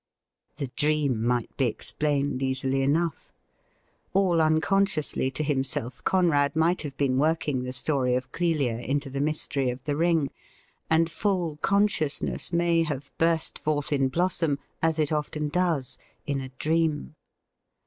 The di eam might be explained easily enough. All unconsciously to himself Conrad might have been working the story of Clelia into the mystery of the ring, and full consciousness may have burst forth in blossom, as it often does, in a dream.